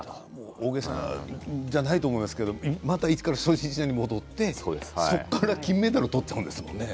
大げさじゃないと思うんですけど、また一から初心者時代に戻ってそこから金メダルを取っちゃうんですものね